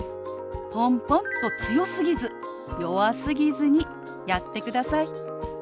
ポンポンと強すぎず弱すぎずにやってください。